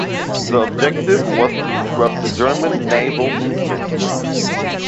The objective was to disrupt German naval movements.